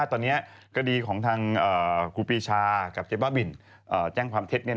ตอนนี้คดีของทางครูปีชากับเจ๊บ้าบินแจ้งความเท็จ